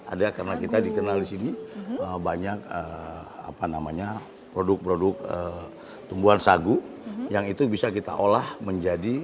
ada karena kita dikenal di sini banyak produk produk tumbuhan sagu yang itu bisa kita olah menjadi